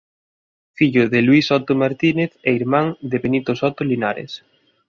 Fillo de Luis Soto Martínez e irmán de Benito Soto Linares.